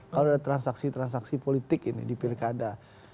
kalau ada transaksi transaksi politik ini di pilkada